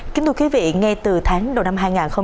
kính thưa quý vị ngay từ tháng đầu năm hai nghìn hai mươi ba